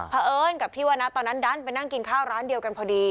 เพราะเอิญกับที่ว่านะตอนนั้นดันไปนั่งกินข้าวร้านเดียวกันพอดี